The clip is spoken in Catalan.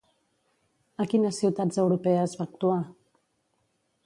A quines ciutats europees va actuar?